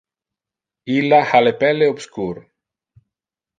Illa ha le pelle obscur.